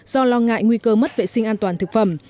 do lo ngại nguy cơ mất vệ sinh an toàn thực phẩm